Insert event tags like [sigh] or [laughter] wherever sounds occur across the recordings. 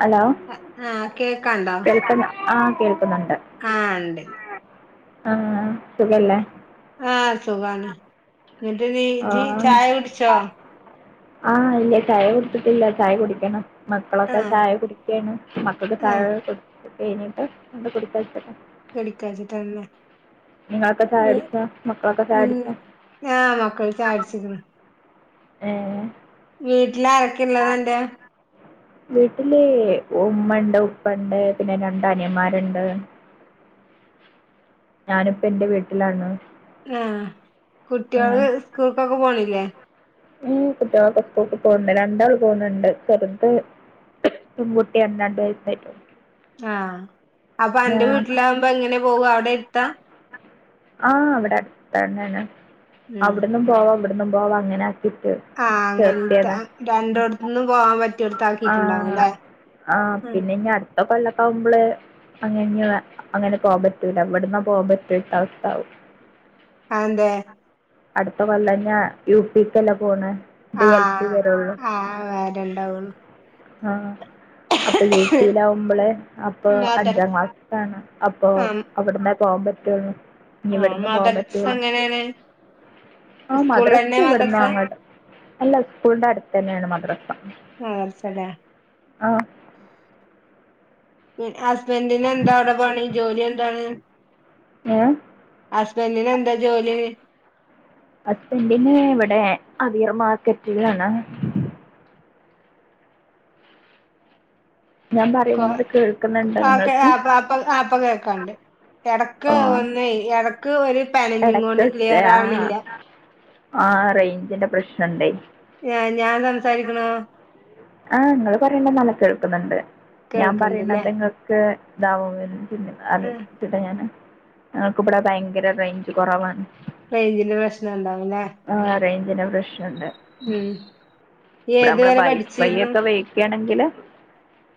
Hello ആഹ് കേൾക്കാം ആ ആഹ ഇണ്ട് ആഹ ആഹ് സുഖാണ് എന്നിട്ട് നീ ആ ജീ ചായ കുടിച്ചോ? ആഹ് ഇല്ലേ ചായ കുടിച്ചിട്ടില്ല ചായ കുടിക്കണം. മക്കളൊക്കെ ആഹ് ചായ കുടിക്കുകയാണ് മക്കൾക്ക് ആഹ് ചായ കുടി കഴിഞ്ഞിട്ട് എണ്ട് കുടിക്ക [unintelligible] [unintelligible] ക്കാച്ചിട്ടന്നെ നിങ്ങളൊക്കെ ചായ കുടിച്ചോ [unintelligible] മക്കളൊക്കെ ചായ ഉ കുടിച്ചോ ഞാ മക്കൾ ചായടിക്കണം എ വീട്ടില ആരൊക്കെ ഉള്ളത് അന്റെ വീട്ടില് ഉമ്മ ഉണ്ട് ഉപ്പ ഉണ്ട് പിന്നെ രണ്ട അനിയന്മാരുണ്ട് ഞാനിപ്പ എൻറെ വീട്ടിലാണ്, ആഹ ആ കുട്ടികള് സ്കൂൾക്കൊക്കെ പോണില്ലേ? ഉം കുട്ടികൾക്ക്കെ സ്കൂക്ക് പോണ് ണ്ട് രണ്ടാൾ പോുൻഡ്‌ ണ്ട് ചെറുത് പെൺകുട്ടി [unintelligible] രണ്ടു വയസായിട്ടുള്ള ആഹ അപ്പൊ അന്റെ വീട്ടിലാകുമ്പോ എങ്ങനെ പോവാ അവിടെ ഏർത്ത ആഹ് അവിടെ അടുത്തന്നന്ന [unintelligible] ഉം അവിടന്നും പോവാ ഇവിടന്നും പോവാ അങ്ങനെ ആക്കിയിട്ട് ആഹ അങ്ങനത്തെ ചേർത്തിയതാ രണ്ടോടത്തന്നും പോവാാൻ പറ്റിയട് ആ ആ പിന്നെ ഇനി അടുത്ത കൊല്ലക്കാവുമ്പള് അങ്ങനഅങ്ങനെ പോകവാൻ പറ്റൂലഇ വിടന്നാ പോവാ [unintelligible] അവസ്ഥ ആാവും അയ്‌ന്റെ അടുത്ത കൊല്ലംന്നാ യുപക്ക്ല്ല പോണ് ഇത് എൽ പി ആഹ് വരെയുള്ള ആഹ് വരണ്ടാവുള്ളു ആഹ അപ്പൊ യു പിയിലാവുമ്പോളെ അപ്പൊ അഞ്ചാം മദർസ് ക്ലാസ്ാണ് അപ്പൊ ആ അവിടുന്ന് പോവാൻ പറ്റു ഇനി ആ ഇവിടന്ന് പോവാൻ മദർസ് പറ്റൂല എങ്ങനെയാണ് ആ മദ്രസ് സ്കൂളിലന്നെ ഇവിടന്ന് മദർസ അങ്ങട്ട അല്ല സ്കൂളിന്റെ അടുത്ത് തന്നെയാണ് മദ്രസ് ആഹ എടുത്തല്ലേ ആ ഹസ്ബന്റിന് എന്താ അവിടെ പണി ജോലി എന്താണ്? ഏ ഹസ്ബന്റിന് എന്താ ജോലി ഹസ്ബന്റിന് ഇവിടെ അതിർ മാർക്കറ്റുകളാണ് ഞാൻ പറയുന്നത് കേൾക്കുന്നുണ്ടോ പ്പപ്പ നിങ്ങൾക്ക് ആപ്പ കേക്കാണ്ട്ട ക്ക ഓ വന്നേ എടക്ക് ഒര് പനഞ്ഞും കൊണ്ട് ക്ലിയർ ആവ്ണില്ല ആഹ് റേഞ്ചിന്റെ പ്രശ്നണ്ടെ ഞാ ഞാൻ സംസാരിക്ക്ണ ഓ ആഹ് ഇങ്ങള് പറയ്ണ നല്ലോം കേൾക്ക്ന്ന്ണ്ട് ഞാൻ കേൾക്കണ്ട്ല്ലേ പറയ്ണത് ഇങ്ങക്ക് ഇദാവ് അത് ആ ച്ചിട്ടാ ഞാന് ഞങ്ങൾക്ക്ബടെ ഭയങ്കര റെഞ്ച് കൊറവാണ് റെയ്ഞ്ചിന്റെ പ്രശ്നം ണ്ടാവ് ലെ റെയ്ഞ്ചിന്റെ പ്രശ്നണ്ട് ഇയ്യ് ഇബടെ നമ്മളെ ഏതുവരെ പഠിച്ചിരുന്നു [unintelligible] വെയ്ക്കയാണെങ്കില്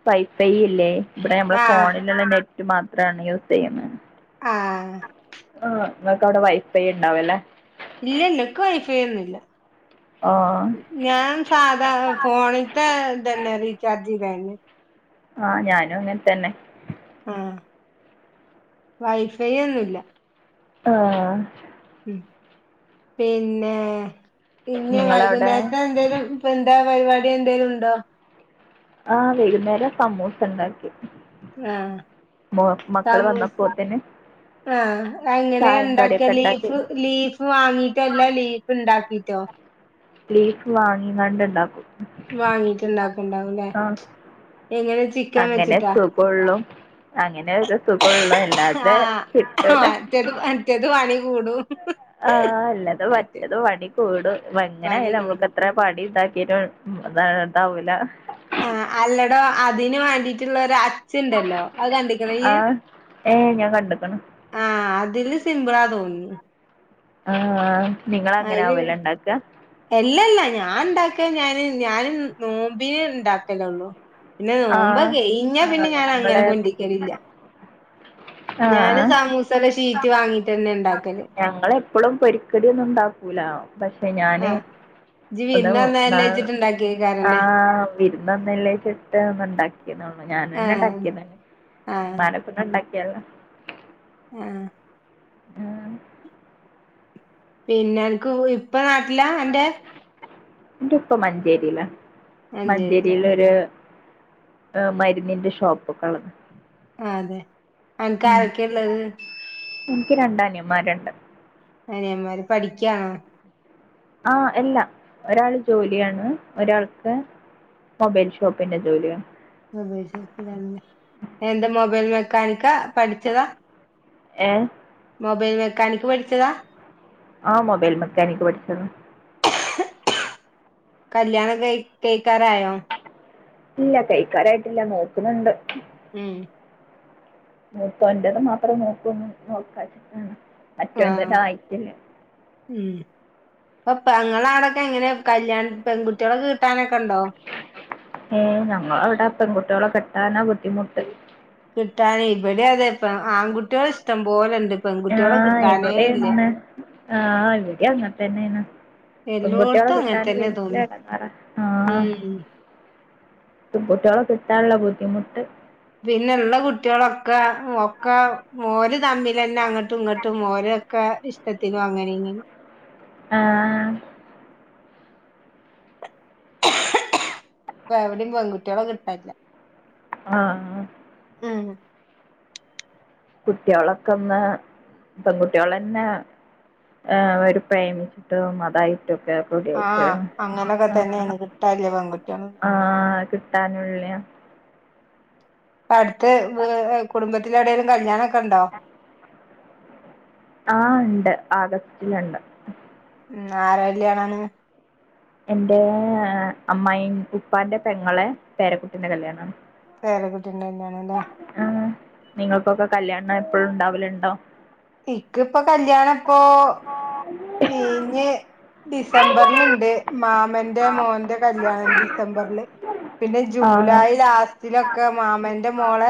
വൈഫൈ ഇല്ലേ ഇബടെ നമ്മളെ ആ ഫോണില്ള്ള നെ മാത്രാണ് യൂസ് ചെയ്യ്ണെ ആഹ് നിങ്ങക്ക് അവ്ടെ വൈഫൈണ്ടാവ് ല്ലെ ഇല്ലല്ല ക്ക് വൈഫൈ ഒന്നുംല്ല ആഹ് ഞാൻ സാധാ ഫോണിത്തെ ഇതന്നെ റീചാർജ് ചെയ്താരുന്നെ ആഹ് ഞാനും അങ്ങൻത്തന്നെ വൈഫൈഒന്നുല്ല ആഹ് പിന്നെ ഇനി നിങ്ങളവിടെ വൈകുന്നേരത്തെ എന്തേലും പ്പ് എന്താ പരിപാടി എന്തെലും ഉണ്ടോ ആഹ് വൈകുന്നേരം സമൂസ ണ്ടാക്കി ആഹ് മക്കൾ സമൂസ വന്നപ്പോത്തിന് ആഹ് എങ്ങനെയാ ചായയും കടിയൊക്കെ ണ്ടാക്കല് ഉണ്ടാക്കി ലീഫ് ലീഫ് വാങ്ങീട്ടല്ല ലീഫ് ഇണ്ടാക്കി റ്റൊ ലീഫ് വാങ്ങികാണ്ട് ണ്ടാക്കും വാങ്ങീട്ട് ണ്ടാക്കുംണ്ടാവുംലേ എങ്ങനെ ചിക്കൻ അങ്ങനെ വെച്ചിട്ടാ സുഖള്ളൂ അങ്ങനെ ഒരു സുഖള്ളൂ അല്ലാതെ ആഹ് കിട്ടൂല മറ്റത് മറ്റത് പണി കൂടും ആഹ് അല്ലാതെ മറ്റേ മറ്റത് പണി കൂടും പണി എങ്ങനെയാലും കൂടും നമ്മുക്ക് എത്ര പണി ണ്ടാ ക്കിയത് ദാ ദാവൂല ആ അല്ലടോ അതിന് വാണ്ടിട്ട്ള്ള ഒര് അച്ഛുണ്ടല്ലോ അത് കണ്ടിക്ക്ണോ യ്യ് ഏയ് ഞാൻ കണ്ട്ക്ക്ണ് ആഹ് അതില് സിംമ്പിളാ തോന്നുന്നു ആഹ് നിങ്ങള് അങ്ങനെ അയ്ല് ആവൂലെ ഇണ്ടാക്കാ എല്ലല്ല ഞാൻ ഉണ്ടാക്കല് ഞാന് ഞാനും നോമ്പിന് ഉണ്ടാക്കലേള്ളൂ പിന്നെ നോമ്പ് ആഹ് കയ്ഞ്ഞ ആഹ് പിന്നെ ഞാൻ അങ്ങനെ ഞങ്ങള് കൊണ്ടിരിക്കലില്ല ഞാന് ആഹ് സമൂസടെ ഷീറ്റ് വാങ്ങീട്ട്ന്നെ ണ്ടാക്കല് ഇപ്പളും പൊരിക്കടി ഒന്നും ഉണ്ടാക്കൂല പഷേ ഞാന് ആഹ് ഇജ്ജ് വിരുന്ന് പ്പന്ന് വന്നതല്ലേ വെച്ചിട്ട് ആ ഉണ്ടാക്കിയേക്കാരന്നെ വിര്ന്ന്ന്നല്ലേച്ചിട്ട് ണ്ടാക്കിയ്ത് ആഹ് ഞാനന്നെണ്ടാക്കിതാണ് ആഹ് ഉമ്മാനെക്കൊണ്ട് ണ്ടാക്കിയാല് ആഹ് ആഹ് പിന്നെ അനക്ക് ഇപ്പ നാട്ടിലാ അന്റെ എന്റെ ഇപ്പ മഞ്ചേരിലാ മഞ്ചേരിയിലാ മഞ്ചേരിലൊര് മരുന്നിന്റെ ഷോപ്പക്കെള്ളത് അതെ അനക്ക് ആരൊക്കെയ്ള്ളത്? എനിക്ക് രണ്ട് അനിയൻമാര്ണ്ട് അനിയൻമാര് പഠിക്കാണോ ആഹ് എല്ല ഒരാള് ജോലിയാണ് ഒരാൾക്ക് മൊബൈൽ ഷോപ്പിന്റെ ജോലിയാണ് പ്രദേശത്തിലാണ് എന്താ മൊബൈൽ മെക്കാനിക്കാ പഠിച്ചതാ ഏ മൊബൈൽ മെക്കാനിക് പഠിച്ചതാ ആ മൊബൈൽ മെക്കാനിക് പഠിച്ചന്ന് കല്യാണ്ണൊക്കെ കയ്ക്കാറായോ ഇല്ല കയ്ക്കാറായ്ട്ടില്ല നോക്കുണുണ്ട് ഉം മൂത്തോന്റേത് മാത്രേ നോക്ക് നോക്കച്ച്ട്ടാണ് മറ്റോന് ന്തേ ആഹ് ആയ്ട്ടില്ലേ അപ്പ ങ്ങളാടൊക്കെ എങ്ങനെ കല്യാൺ പെൺകുട്ട്യാളൊക്കെ കിട്ടാനൊക്കെ ണ്ടോ ട്ട്യാളെ കിട്ടാന ബുദ്ധിമുട്ട് കിട്ടാാന ഇവിടെ അതെ പ്പോ ആൺകുട്ട്യാൾ ഇഷ് ആഹ ഇല്ല ഇവിടെന്നെ ആഹ ഇവിടെ അങ്ങത്തന്നെയാണ് പെൺകുട്ട്യാളെ എല്ലോടത്തും അങ്ങനെ കിട്ടാനും തന്നെ വല്യ തോന്നുന്നു ഇടങ്ങാറ ആഹ ഉം പെൺകുട്ട്യാളെ കിട്ടാള്ള ബുദ്ധിമുട്ട് ഒക്ക ഒക്കെ ഓര് തമ്മിൽ തന്നെ അങ്ങോട്ടും ഇങ്ങോട്ടും ഓരേ ക്കെ ഇഷ്ടത്തിലും അങ്ങനിങ്ങനിം ആഹ പ്പോ എവിടിം പെൺകുട്ട്യാളെ കിട്ടാല്യ ആഹ ആഹ കുട്ട്യാളോക്കെ ന്ന് പെൺകുട്ട്യാള്ളെന്നെ ആ അവ പ്രേമിച്ചിട്ടും അതായിട്ടും ആണ്പ്പോ ആഹ് കേട്ടണ് അങ്ങനൊക്കെ തന്നെയാണ് കിട്ടാല്ല പെൺകുട്ടികള് ഇപ്പ ആ കിട്ടാനുല്യ അടുത്ത് വീ കുടുംബത്തിലെവിടെലും കല്യാണോക്കെ ഉണ്ടോ ആഹ ണ്ട് ആഗസ്റ്റില്ണ്ട് ആര കല്യാണാണ് എന്റെ അമ്മായിന് ഉപ്പാന്റെ പെങ്ങളെ പേരക്കുട്ടിന്റെ കല്യാണ പേര കുട്ടിണ്ടന്താണല്ലേ ആഹ് നിങ്ങൾക്കൊക്കെ കല്യാണം എപ്പോഴും ഉണ്ടാവലുണ്ടോ? ഇക്ക ഇപ്പൊ കല്യാണപ്പൊ ഈഞ് ഡിസംബറൽുണ്ട് മാമന്റെ മോന്റെ കല്യാണം ഡിസംബറില് പിന്നെ ആഹ് ജൂലൈ ലാസ്റ്റിലൊക്കെ മാമന്റെ മോളെ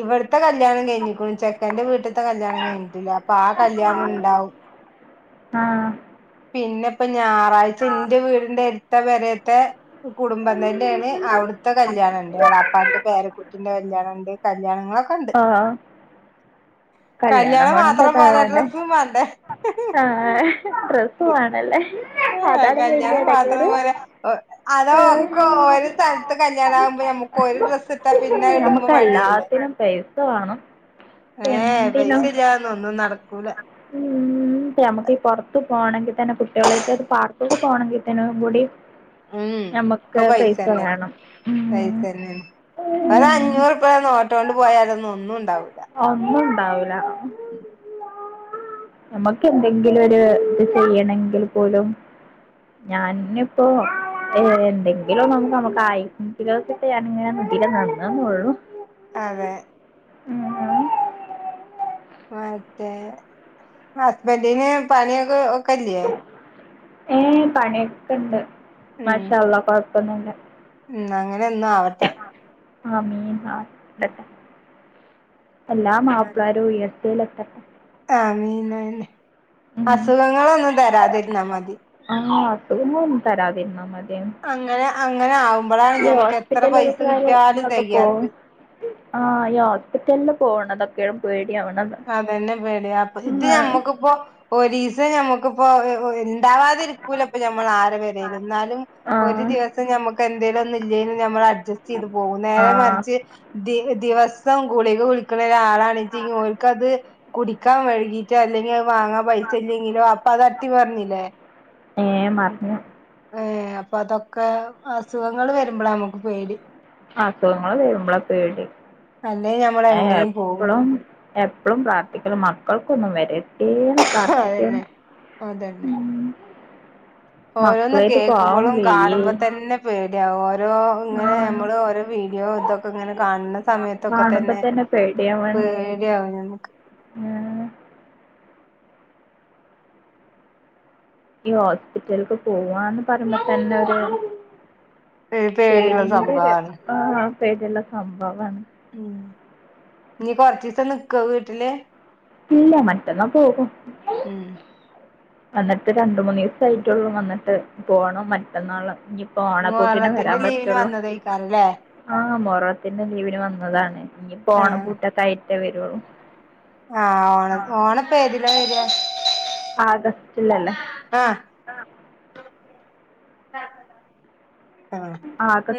ഇവിടത്തെ കല്യാണം കഴിഞ്ഞിക്കും ചെക്കന്റെ വീട്ടിലത്തെ കല്യാണം കഴിഞ്ഞിട്ടില്ല അപ്പൊ ആ കല്യാണം ഇണ്ടാവും ആഹ പിന്നെ ഇപ്പ ഞായറാഴ്ച എന്റെ വീടിന്റെ അടുത്ത വരത്തെ കുടുംബ എാണ് അവിടുത്തെ കല്യാണം ഉണ്ട് ഇ ളാപ്പാന്റെ പേരക്കുട്ടിന്റെ കല്യാണണം ഉണ്ട് കല്യാണങ്ങളൊക്കെ ഉണ്ട് [inaudible] ആഹ് കല്യാണം മാത്രം പോരാ കൊണ്ടതാണ്ടെ ഡ്രസ്സും വേണ്ടേ ആഹ ഡ്രസ്സ് വന്നല്ല അതാണ് വ കല്യാണം മാത്രം ഇടങ്ങറ് പോരാ അതോ ഒക്കെ ഹ്ഹ ഒരു സ്ഥലത്ത് കല്യാണം ആകുമ്പോ നമ്മുക്ക് ഒരു ഡ്രസ്സ് ഇട്ടാ പിന്നെ ഇടുമ്പോ നമുക്ക് മടിയല്ലേ എല്ലാത്തിനും പൈസ വേണം ഏ എന്തിന പൈസ മം... ഇല്ലാതൊന്നും ഒന്നും നടക്കൂല ഉ നമ്മക്ക്ഈ പുറത്ത് പോകണമെങ്കിൽ തന്നെ കുട്ടികളായിട്ട അത് പാർക്ക പോകണമെങ്കിൽ കൂടി ഉം നമ്മുക്ക് ഒക്കെ പൈസ വേണം ഉ ഒ അഞ്ഞൂറ്പ നോട്ടൊണ്ട് പോയാലൊന്നും ഒന്നും ഇണ്ടാവൂില്ല താവില നമുക്ക് എന്തെങ്കിലും ഒരു ഇത് ചെയ്യണെങ്കിൽ പോലും ഞാന് ഇപ്പോ.. ഏ എന്തെങ്കിലും നമുക്ക് നമുക്കായിങ്കിലെ ഞാനങ്ങനെ കുട്ടികൾ നന്നാവുള്ളു അതെ ഉം ആ മറ്റേ ഹസ്ബൻഡന് പണിയൊക്കെ ഒക്കല്ല്യേ ഏ പണിയൊക്കെ ഇണ്ട് ഉം മാഷാള്ള കൊഴപ്പൊന്നല്ലാ ഉം അങ്ങനെന്നും ആവട്ടെ ആ മീൻ ആ ത്തട്ടേ എല്ലാ മാപ്പിളാരും ഉയർച്ചയിലെത്തട്ടേ ആമീൻ ന്നെ ഉം അസുഖങ്ങളൊന്നും തരാതിരുന്നാ മതി ആ തരാതിരുന്നാ മതി അങ്ങനെ അങ്ങനെ ആവുമ്പോഴാണ് ഈ ഞമ്മക്ക് എത്ര പൈസ ഹോസ്പിറ്റലക്കൊക്കെ കിട്ടിയാലും കാര്യങ്ങളൊക്കെ തികയാത്ത പോകും ആഹ് ഈ ഹോസ്പിറ്റലില് പോണതൊക്കെയും പേടി അതന്നെ പേടിയ അപ്പ ഇത് ഞമ്മക്കിപ്പോ ഒരീസം ഞമ്മക്കിപ്പോ ഓ എന്ത് ഉണ്ടാവാതിരിക്കൂലപ്പ ഞമ്മള് ആര് പെരേലും എന്നാലും ആ ഒരു ദിവസം നമ്മുക്ക് എ എന്തേലുന്നില്ല്യേന് നമ്മള് അഡ്ജസ്റ്റ് ചെയ്ത് പോകും ആ നേരെ മറിച്ച് ദിവ ദിവസ് സം ഗുളിക കുഴിക്കുന്ന ഒരാളാണെച്ചി ഓര്ക്കത് കുടിക്കാൻ വഴകിട്ട് അല്ലെങ്കി ആ വാങ്ങാ പൈസ ഇല്ലെങ്കിലോ അപ്പൊ അത് അട്ടി മറിഞ്ഞില്ലേ ഏ മറിഞ്ഞു ഏ അപ്പൊ അതൊക്കെ അസുഖങ്ങൾ വരുമ്പോളാ നമുക്ക് പേടി അസുഖങ്ങള് വരുമ്പോളാ പേടി അല്ലേ ഞമ്മൾ ഞാൻ എങ്ങനെയും പോകും എപ്പളും എപ്പളും പ്രാർത്ഥിക്കണ് മക്കൾക്കൊന്നും വരര് ഏന്ന് പ്രാർത്ഥിക്കാൻ അതന്നെ അതന്നെ ഉം... ഓരോന്ന് മക്കളേറ്റ് പോവാൻ കേക്കുമ്പോളും വയ്യേ. കാണുമ്പോ തന്നെ പേടിയാവ ഓരോ ഇങ്ങനെ ആഹ് നമ്മള് ഓരോ വീ ഡിയോ ഇതൊക്കെ ഇങ്ങനെ കാണുന്ന സമയത്തൊക്കെ തന്നെ പേടിയാവും ഞമുക്ക് മ്.. ഈ ഹോസ്പിറ്റലക്ക് പോവാന്ന് പറയുമ്പോ തന്നെ ഒരു ഒരു പേടിയുള്ള പേടിന്റൊരു സംഭവമാണ് ആ പേടിള്ള സംഭവമാണ് ഉം ഇനീ കൊറച്ച് ദിവസം നിക്കുവോ വീട്ടില് ഇല്ല മറ്റന്നാ പോകും ഉം.. വന്നിട്ട് രണ്ട് മൂന്ന് ദിവസായിട്ടുള്ളൂ വന്നിട്ട് പോണം മറ്റന്നാള് ഇനി- ഓണപൂട്ടിനെ മുഹറത്തിന്റെ വരാൻ ലീവിന് പറ്റുള്ളൂ വന്നതേക്കാരല്ലേ ആ മോ ഉൽസവത്തിന്റെ ലീവിന് വന്നതാണ് ഇനിപ്പോ ഓണ പൂട്ടൊക്കെ ആയിട്ടേ വരുവൊള്ളൂ ആഹ് ഓണയിപ്പ ഏതിലാ വരികാ ആഗസ്റ്റിലല്ലേ ആഹ് ആഹ്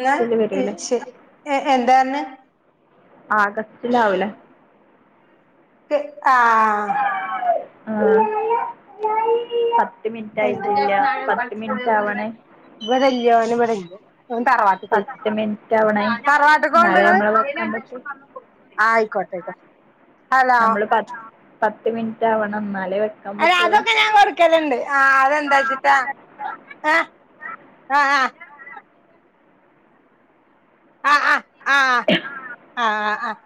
എന്നാ വരൂലേ ശരിയെ എന്താന്ന് ആഗസ്റ്റില് ആവൂലേ ആഹ് ആഹ് പത്ത് മിനിറ്റ് എന്ത് ആയിട്ടില്ല പത്ത് മിനിറ്റ് ആവണേ- ഞാൻ തറവാട്ടി പോയി പത്ത് മിനിറ്റ് ആവണേ തറവാട്ടി പോകുന്നുണ്ടോ എന്നാലേ നിങ്ങള് നമ്മള് വെക്കാൻ പറ്റൂ ആയിക്കോട്ടെ കേക്കാം നമ്മള് പത് പത്ത് മിനിറ്റ് ആവണം ന്നാൽ അല്ല അതൊക്കെ ഞാൻ കൊറ്ക്കല്ണ്ട് ആഹ് അതെന്താച്ചിട്ടാ ഏഹ് ആഹ് ആഹ് ആഹ് ആഹ് ആഹ് ആഹ് ആഹ് ആ ഹ്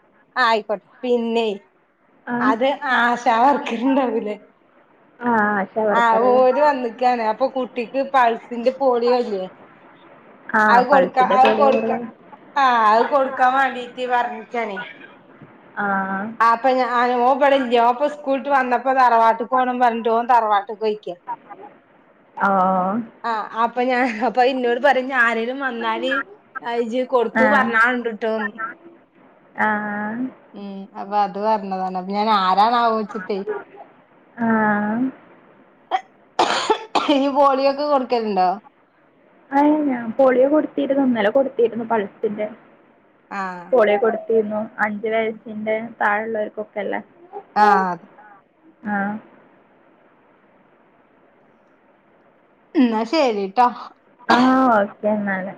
ആഹ് ആയിക്കോട്ടെ പിന്നെ ആഹ് അത് ആശാവർക്കറ്ണ്ടാവ് ല്ലേ ആഹ് ആശാ ആഹ് വർക്കറല്ലേ ഓര് വന്നിക്കാന് അപ്പൊ കുട്ടിക്ക് പൾസിന്റെ പോളിയോല്ലേ ആഹ് അഹ് കൊടുക്കാം പൾസിന്റെ അഹ് പൊടി കൊടുക്ക ആഹ് അഹ് കൊടുക് ക്കാ വേണ്ടിട്ട് പർഞ്ഞിക്കണെ ആഹ് ആപ്പം ഞാനോ ഇവിടല്ലോ ഓ പ്പൊ സ്കൂള്ട്ട് വന്നപ്പോ തറവാട്ട്കോണം പറഞ്ഞിട്ട് ഓൻ തറവാട്ട്ക്ക് പോയിക്ക ആഹ് പ്പൊ ഞാൻ അപ്പൊ ഇന്നോട് പറ്യ ഞ് ആരെലും വന്നാല് അഹ് ഇജ്ജ് കൊടുത്തു ആഹ് പറഞ്ഞാൾണ്ട് ട്ടോ ആഹ് അപ്പൊ അത് പറഞ്ഞതാണ് അപ്പൊ ഞാൻ ആരാന്നാവോച്ചിട്ടേ ആഹ് ഇയ്യ് പോളിയൊക്കെ കൊടുക്കലുണ്ടോ? അയ്‌ന് ഞാൻ പോളിയോ കൊടുത്തിരുന്നു ഇന്നലെ കൊടുത്തിരുന്നു പൾസിന്റെ ആഹ് പോളിയോ കൊടുത്തിരുന്നു അഞ്ചു വയസിന്റെ തായെള്ളോർക്കൊക്കെല്ലേ ആഹ് അ ആഹ് ന്ന ശെരിട്ടോ ക്യുന്നാലെ